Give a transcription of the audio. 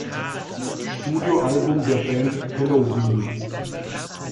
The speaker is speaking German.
Studioalbum der Band Helloween.